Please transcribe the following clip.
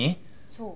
そう。